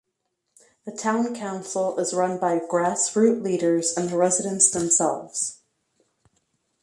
The Town Council is run by grassroot leaders and the residents themselves.